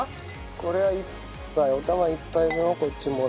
これを１杯おたま１杯分をこっちもらって。